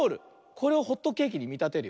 これをホットケーキにみたてるよ。